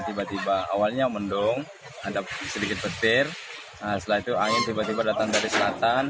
tiba tiba awalnya mendung ada sedikit petir setelah itu angin tiba tiba datang dari selatan